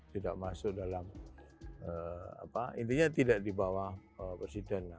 tidak masuk dalam apa intinya tidak dibawah presiden